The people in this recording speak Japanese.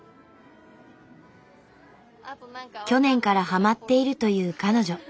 去年からハマっているという彼女。